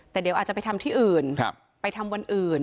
แต่เดี๋ยวอาจจะไปทำที่อื่นไปทำวันอื่น